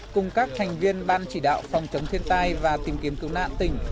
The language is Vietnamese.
cùng các thành viên ban chỉ đạo phòng chống thiên tai và tìm kiếm cứu nạn tỉnh